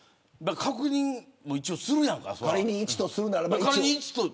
確認もするやんか。